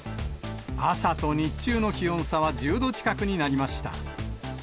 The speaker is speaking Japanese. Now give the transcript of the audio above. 朝と日中の気温差は１０度近くになりました。